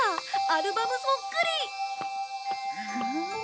アルバムそっくり！